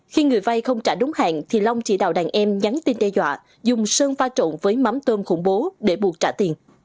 khi người vay không trả đúng hạn thì long chỉ đạo đàn em nhắn tin đe dọa dùng sơn pha trộn với mắm tôm khủng bố để buộc trả tiền